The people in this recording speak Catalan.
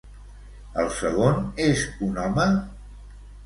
El segon és un home?